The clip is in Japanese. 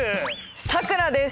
さくらです！